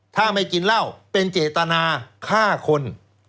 ถ้าไม่กินเหล้าเป็นเจตนาฆ่าคน